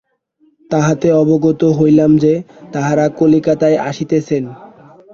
তাহাতে অবগত হইলাম যে, তাঁহারা কলিকাতায় আসিতেছেন।